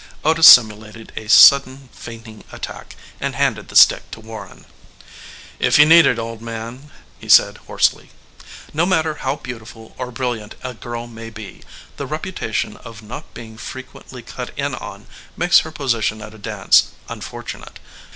Otis simulated a sudden fainting attack and handed the stick to Warren. "If you need it, old man," he said hoarsely. No matter how beautiful or brilliant a girl may be, the reputation of not being frequently cut in on makes her position at a dance unfortunate.